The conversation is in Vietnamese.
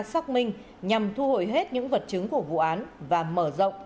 xác minh nhằm thu hồi hết những vật chứng của vụ án và mở rộng